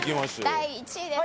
第１位です。